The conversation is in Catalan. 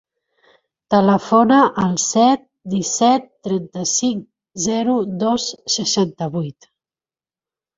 Telefona al set, disset, trenta-cinc, zero, dos, seixanta-vuit.